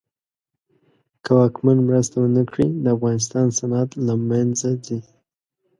که واکمن مرسته ونه کړي د افغانستان صنعت له منځ ځي.